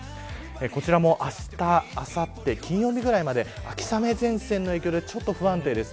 こちらも、あした、あさって金曜日ぐらいまで秋雨前線の影響で不安定です。